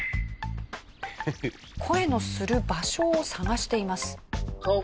声のする場所を探しています。